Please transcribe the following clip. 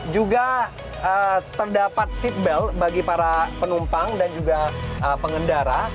juga terdapat seatbelt bagi para penumpang dan juga pengendara